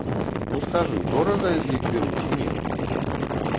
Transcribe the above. Ну, скажы, дорага я з іх бяру ці не?